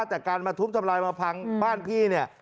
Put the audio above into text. แต่การมาทุบทำลายมาพังบ้านพี่เนี่ย